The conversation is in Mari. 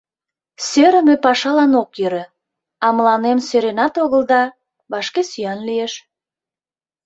Сӧрымӧ пашалан ок йӧрӧ, а мыланем сӧренат огыл да, вашке сӱан лиеш.